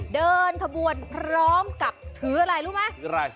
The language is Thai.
เดินขบวนพร้อมกับถืออะไรรู้ไหมอะไร